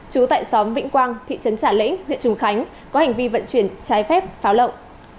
trú tại xóm vĩnh quang thị trấn trà lĩnh huyện trùng khánh có hành vi vận chuyển trái phép pháo lậu